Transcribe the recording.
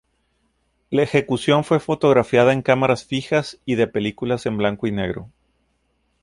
La ejecución fue fotografiada en cámaras fijas y de películas en blanco y negro.